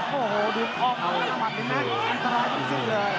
โอ้โหดูข้อมูลข้างหลังนี้นะอันตรายที่สุดเลย